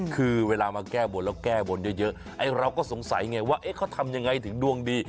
คือเวลามาแก้บนแล้วแก้บนเยอะไอ้เราก็สงสัยไงว่าเขาทำยังไงถึงดวงดี